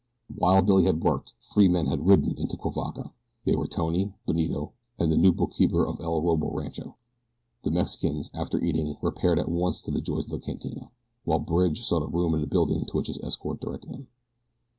While Billy had worked three men had ridden into Cuivaca. They were Tony, Benito, and the new bookkeeper of El Orobo Rancho. The Mexicans, after eating, repaired at once to the joys of the cantina; while Bridge sought a room in the building to which his escort directed him.